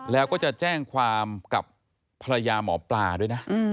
แล้วก็จะแจ้งความกับภรรยาหมอปลาด้วยนะ